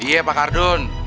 iya pak ardun